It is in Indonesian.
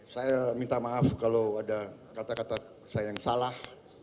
saya minta maaf kalau ada kata kata saya yang salah